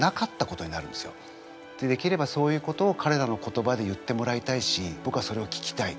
できればそういうことをかれらの言葉で言ってもらいたいしぼくはそれを聞きたい。